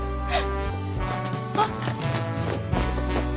あっ。